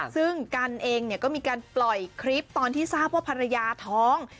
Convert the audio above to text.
ซึ่งกันเองก็มีการปล่อยคลิปตอนที่ทราบว่าภรรยาท้อง